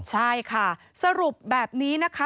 ใช่ค่ะสรุปแบบนี้นะคะ